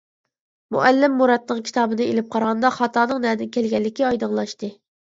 مۇئەللىم مۇراتنىڭ كىتابىنى ئېلىپ قارىغاندا، خاتانىڭ نەدىن كەلگەنلىكى ئايدىڭلاشتى.